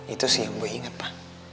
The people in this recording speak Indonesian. itu sih yang bu inget pa